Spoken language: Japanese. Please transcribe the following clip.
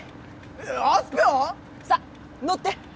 さあ乗って！